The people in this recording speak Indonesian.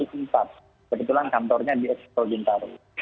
kebetulan kantornya di eksipto bintaru